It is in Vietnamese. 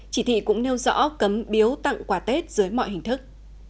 chỉ thị cũng nêu rõ cấm biếu tặng quà tết dưới mọi hình thức